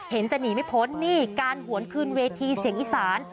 จะหนีไม่พ้นนี่การหวนคืนเวทีเสียงอีสาน